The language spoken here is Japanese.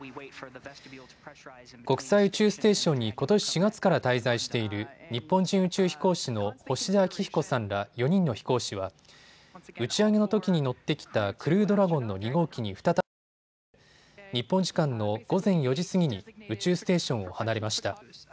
国際宇宙ステーションにことし４月から滞在している日本人宇宙飛行士の星出彰彦さんら４人の飛行士は打ち上げのときに乗ってきたクルードラゴンの２号機に再び乗り込んで日本時間の午前４時過ぎに宇宙ステーションを離れました。